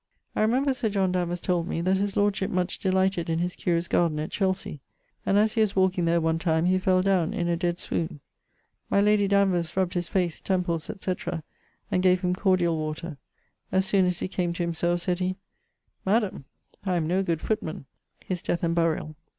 I remember Sir John Danvers told me, that his lordship much delighted in his curious garden at Chelsey, and as he was walking there one time, he fell downe in a dead sowne. My lady Danvers rubbed his face, temples, etc. and gave him cordiall water: as soon as he came to himselfe, sayd he, 'Madam, I am no good footman.' <_His death and burial.